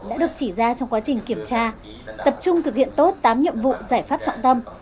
đã được chỉ ra trong quá trình kiểm tra tập trung thực hiện tốt tám nhiệm vụ giải pháp trọng tâm